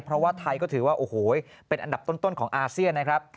เพราะว่าไทยก็ถือว่าโอ้โหเป็นอันดับต้นของอาเซียนนะครับ